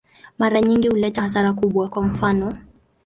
Mara nyingi huleta hasara kubwa, kwa mfano.